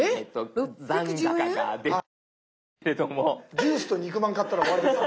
⁉ジュースと肉まん買ったら終わりですよ。